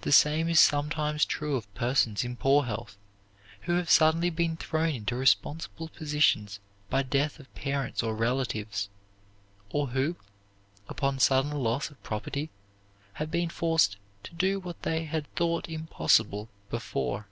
The same is sometimes true of persons in poor health who have suddenly been thrown into responsible positions by death of parents or relatives, or who, upon sudden loss of property, have been forced to do what they had thought impossible before.